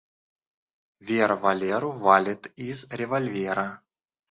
Вера Валеру валит из револьвера.